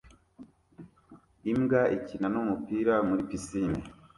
Imbwa ikina numupira muri pisine